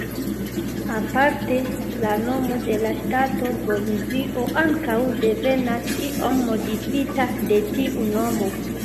Aparte, la nomo de la ŝtato Bolivio ankaŭ devenas, iom modifita, de tiu nomo.